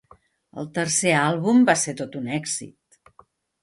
El tercer àlbum va ser tot un èxit.